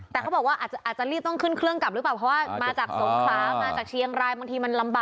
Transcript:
แต่เขาบอกว่าอาจอาจจะรีบต้องขึ้นเครื่องกลับ